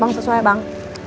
bang sesuai bang